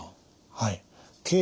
はい。